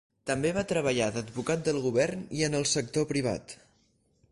També va treballar d'advocat del govern i en el sector privat.